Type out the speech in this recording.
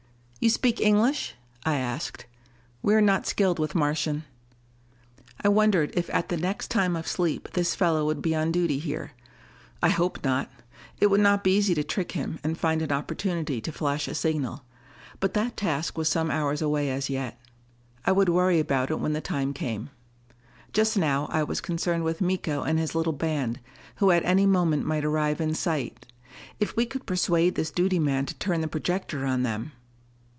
"You speak English?" I asked. "We are not skilled with Martian." I wondered if at the next time of sleep this fellow would be on duty here. I hoped not: it would not be easy to trick him and find an opportunity to flash a signal. But that task was some hours away as yet; I would worry about it when the time came. Just now I was concerned with Miko and his little band, who at any moment might arrive in sight. If we could persuade this duty man to turn the projector on them!